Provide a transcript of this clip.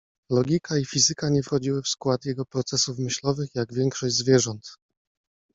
Logika i fizyka nie wchodziły w skład jego procesów myślowych. Jak większość zwierząt